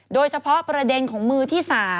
โดยเฉพาะประเด็นของมือที่๓